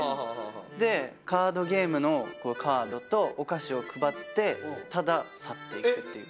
でカードゲームのカードとお菓子を配ってただ去っていくっていう。